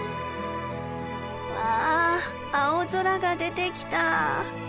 わあ青空が出てきた！